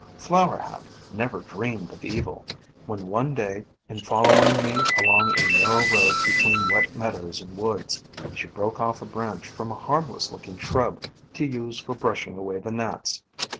Flower Hat never dreamed of evil, when one day in following me along a narrow road between wet meadows and woods, she broke off a branch from a harmless looking shrub to use for brushing away the gnats.